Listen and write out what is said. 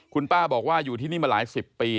คุณป้าบอกว่าอยู่ที่นี่มาหลายสิบปี